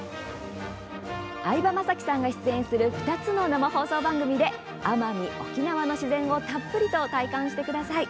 相葉雅紀さんが出演する２つの生放送番組で奄美・沖縄の自然をたっぷりと体感してください。